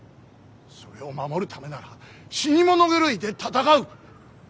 それを守るためなら死に物狂いで戦う。